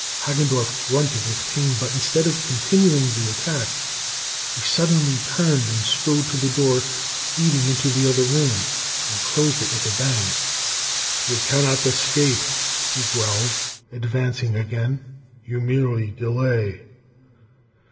Hagendorff grunted with pain; but instead of continuing the attack, he suddenly turned and strode to the door leading into the other room, and closed it with a bang. "You cannot escape," he growled, advancing again; "you merely delay."